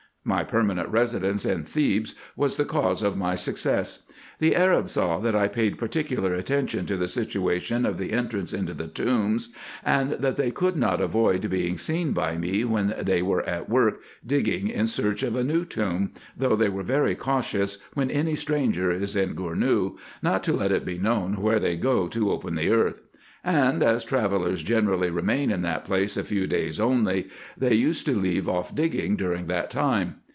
My permanent residence in Thebes was the cause of my suc cess. The Arabs saw that I paid particular attention to the situa tion of the entrance into the tombs, and that they could not avoid being seen by me when they were at work digging in search of a new tomb, though they are very cautious when any stranger is in Gournou not to let it be known where they go to open the earth ; and as travellers generally remain in that place a few days only, they used to leave off digging during that time.